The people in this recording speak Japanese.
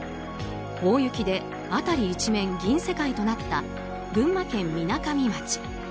大雪で、辺り一面銀世界となった群馬県みなかみ町。